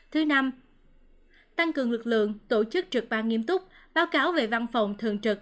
thứ năm tăng cường lực lượng tổ chức trực ban nghiêm túc báo cáo về văn phòng thường trực